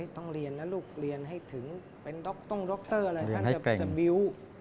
ต้องเรียนนะลูกเรียนให้ถึงเป็นดร่งดรอะไรท่านจะบิวต์